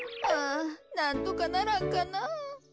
ああなんとかならんかな。